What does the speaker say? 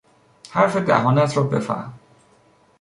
حرف دهانت را بفهم!